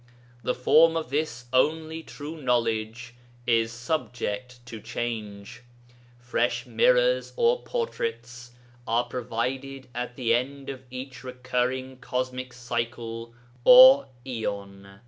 The form of this only true knowledge is subject to change; fresh 'mirrors' or 'portraits' are provided at the end of each recurring cosmic cycle or aeon.